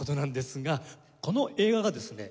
この映画がですね